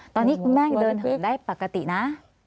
ตอนนี้คุณแม่ยังเดินเหินได้ปกตินะ